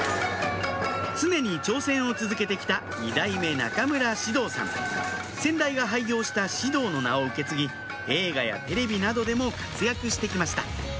常に挑戦を続けて来た先代が廃業した獅童の名を受け継ぎ映画やテレビなどでも活躍して来ました